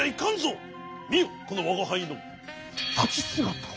みよこのわがはいのたちすがた。